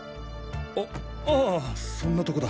あああそんなトコだ。